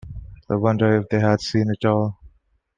They wonder if they had seen it at all.